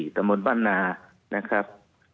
สถานที่๔ตมบ้านนานะครับ